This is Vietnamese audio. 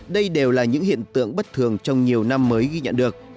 đây đều là những hiện tượng bất thường trong nhiều năm mới ghi nhận được